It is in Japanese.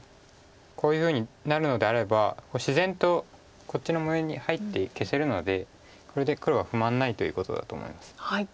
こういうふうになるのであれば自然とこっちの模様に入って消せるのでこれで黒は不満ないということだと思います。